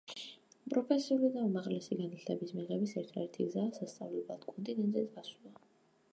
პროფესიული და უმაღლესი განათლების მიღების ერთადერთი გზაა სასწავლებლად კონტინენტზე წასვლა.